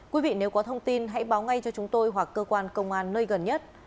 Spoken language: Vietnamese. quý vị nếu có thông tin hãy báo ngay cho chúng tôi hoặc cơ quan công an nơi gần nhất